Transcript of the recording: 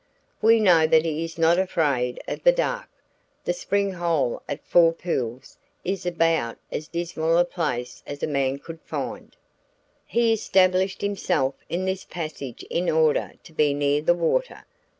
We know that he is not afraid of the dark the spring hole at Four Pools is about as dismal a place as a man could find. He established himself in this passage in order to be near the water.